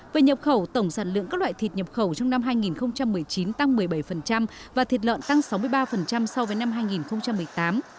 về nhập khẩu tổng sản lượng các loại thịt nhập khẩu trong năm hai nghìn một mươi chín tăng một mươi bảy và thịt lợn tăng sáu mươi ba so với năm hai nghìn một mươi tám